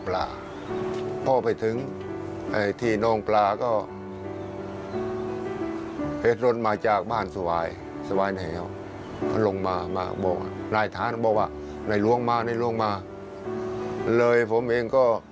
เลยผมเองก็